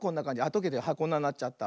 とけてこんななっちゃった。